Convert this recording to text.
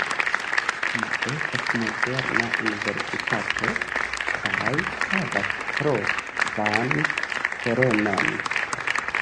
Ĝi estas moderna universitato kaj havas propran terenon.